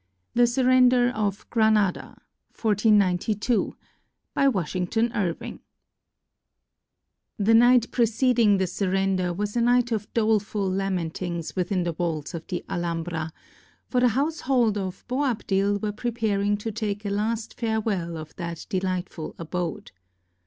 THE SURRENDER OF GRANADA BY WASHINGTON IRVING The night preceding the surrender was a night of doleful lamentings, within the walls of the Alhambra; for the household of Boabdil were preparing to take a last fare well of that delightful abode.